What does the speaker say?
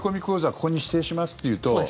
ここに指定しますっていうと。